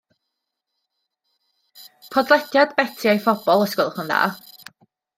Podlediad Beti a'i phobl os gwelwch yn dda